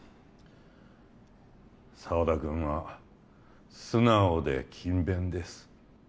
沢田君は素直で勤勉です